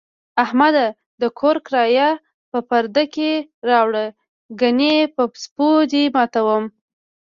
احمده! د کور کرایه په پرده کې راوړه، گني په سپو دې ماتوم.